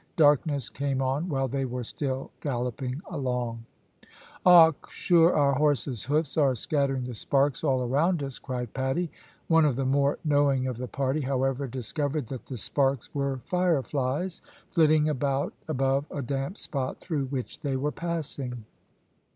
Darkness came on while they were still galloping along. "Och, sure our horses' hoofs are scattering the sparks all around us," cried Paddy. One of the more knowing of the party, however, discovered that the sparks were fire flies, flitting about above a damp spot through which they were passing.